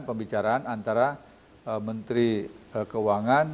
pembicaraan antara menteri keuangan